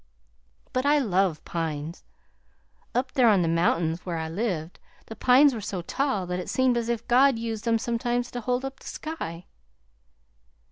But I love pines. Up there on the mountains where I lived, the pines were so tall that it seemed as if God used them sometimes to hold up the sky."